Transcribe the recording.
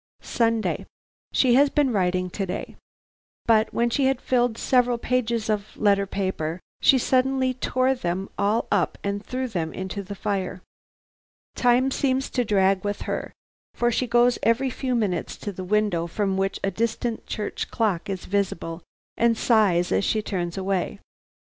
"Sunday. "She has been writing to day. But when she had filled several pages of letter paper she suddenly tore them all up and threw them into the fire. Time seems to drag with her, for she goes every few minutes to the window from which a distant church clock is visible, and sighs as she turns away.